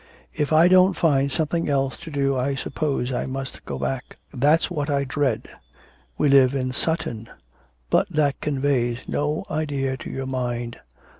If I don't find something else to do I suppose I must go back. That's what I dread. We live in Sutton. But that conveys no idea to your mind.